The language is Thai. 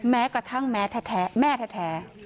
แม้กระทั่งแม่แท้